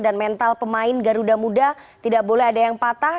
dan mental pemain garuda muda tidak boleh ada yang patah